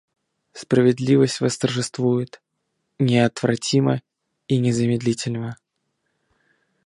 Справедливость восторжествует, неотвратимо и незамедлительно.